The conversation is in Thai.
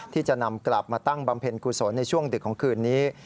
ที่จะนำกลับมาตั้งบำเพ็ญกุศลในช่วงดึกของคืนนี้